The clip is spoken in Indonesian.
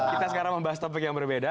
kita sekarang membahas topik yang berbeda